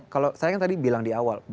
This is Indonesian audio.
kalau saya kan tadi bilang di awal